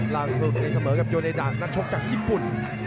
ล่างฝึกยูเนดาคนัตชกจากญี่ปุ่น